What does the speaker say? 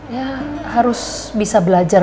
ya harus bisa belajar